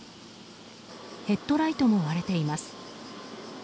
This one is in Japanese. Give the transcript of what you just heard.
ヘッドライトも割れています。